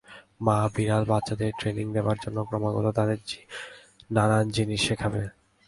মা- বিড়াল বাচ্চাদের ট্রেনিং দেবার জন্যে ক্রমাগত তাদের নানান জিনিস শেখাবে।